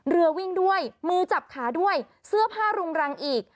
เรือวิ่งด้วยมือจับขาด้วยเสื้อผ้ารุงรังอีก